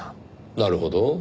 なるほど。